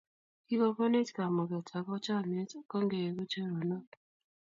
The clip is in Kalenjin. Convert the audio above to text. Kikogonech kamuget ago chamnyet kongeegu choronok